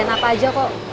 neng nanti aku nunggu